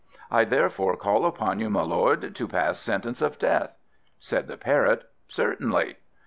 I therefore call upon you, my Lord, to pass sentence of death." Said the Parrot, "Certainly."